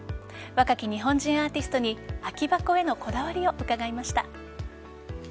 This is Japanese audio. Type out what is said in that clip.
若き日本人アーティストに空き箱へのこだわりを伺いました。